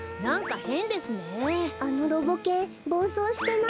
あのロボ犬ぼうそうしてない？